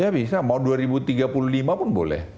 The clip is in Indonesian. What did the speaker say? ya bisa mau dua ribu tiga puluh lima pun boleh